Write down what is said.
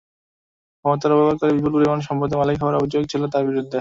ক্ষমতার অপব্যবহার করে বিপুল পরিমাণ সম্পদের মালিক হওয়ার অভিযোগ ছিল তাঁর বিরুদ্ধে।